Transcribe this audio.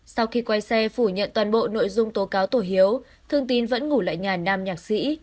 sau khi quay xe phủ nhận toàn bộ nội dung tố cáo tổ hiếu thương tin vẫn ngủ lại nhà nam nhạc sĩ